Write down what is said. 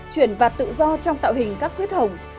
chuyển vạt tự do trong tạo hình các khuyết hổng